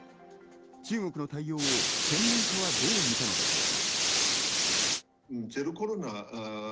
中国の対応を専門家はどう見たのでしょうか。